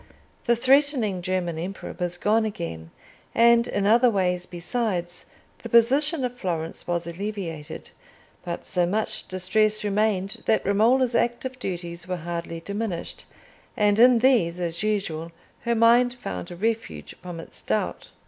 The threatening German Emperor was gone again; and, in other ways besides, the position of Florence was alleviated; but so much distress remained that Romola's active duties were hardly diminished, and in these, as usual, her mind found a refuge from its doubt.